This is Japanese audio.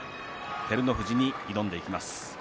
照ノ富士に挑んでいきます。